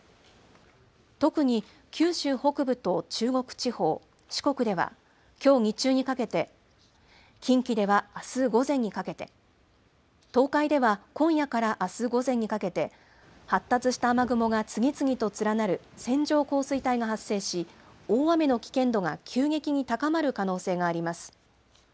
特に九州北部と中国地方、四国では、きょう日中にかけて、近畿ではあす午前にかけて、東海では今夜からあす午前にかけて発達した雨雲が次々と連なる線状降水帯が発生し、大雨の危険度が急激に高まる可能性があります。